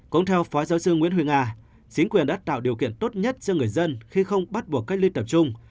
cũng theo phó giáo sư nguyễn huy hà chính quyền đã tạo điều kiện tốt nhất cho người dân khi không bắt buộc cách ly tập trung